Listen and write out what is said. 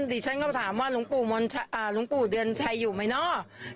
ดิฉันก็ถามว่าหลวงปู่หลวงปู่เดือนชัยอยู่ไหมเนาะ